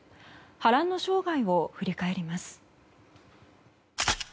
波乱の生涯を振り返ります。